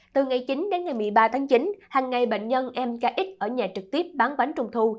từ ngày chín đến ngày một mươi ba tháng chín hàng ngày bệnh nhân mkx ở nhà trực tiếp bán bánh trung thu